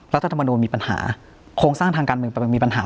รัฐธรรมนูลมีปัญหาโครงสร้างทางการเมืองมีปัญหา